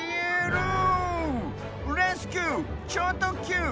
レスキュー！ちょうとっきゅう！